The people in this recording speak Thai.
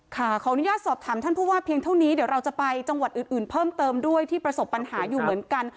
ขออนุญาตสอบถามท่านผู้ว่าเพียงเท่านี้เดี๋ยวเราจะไปจังหวัดอื่นเพิ่มเติมด้วยที่ประสบปัญหาอยู่เหมือนกัน